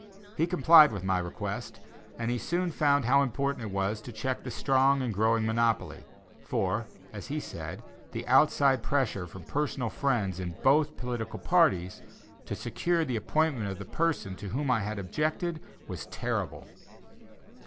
He complied with my request, and he soon found how important it was to check the strong and growing monopoly; for, as he said, the "outside pressure" from personal friends in both political parties, to secure the appointment of the person to whom I had objected, was terrible.